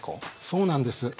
そうなんです。